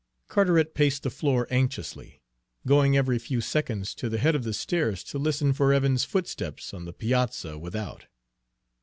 Carteret paced the floor anxiously, going every few seconds to the head of the stairs to listen for Evans's footsteps on the piazza without.